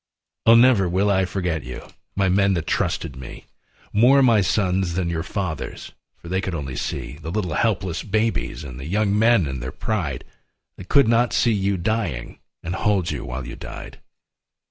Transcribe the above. Oh, never will I forget you, My men that trusted me. More my sons than your fathers'. For they could only see The little helpless babies And the young men in their pride. They could not see you dying. And hold you while you died.